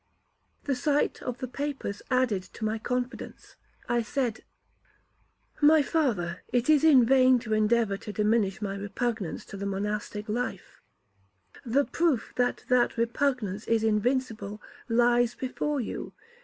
The sight of the papers added to my confidence. I said, 'My father, it is in vain to endeavour to diminish my repugnance to the monastic life; the proof that that repugnance is invincible lies before you.